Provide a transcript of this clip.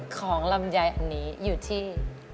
ของลำไยอันนี้อยู่ที่